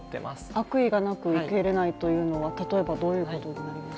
悪意がなく受け入れないというのは例えばどういうことになりますか？